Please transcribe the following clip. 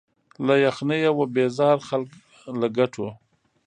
له یخنیه وه بېزار خلک له ګټو